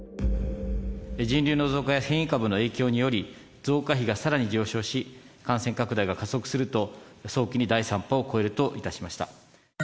人流の増加や変異株の影響により、増加比がさらに上昇し、感染拡大が加速すると、早期に第３波を超えると致しました。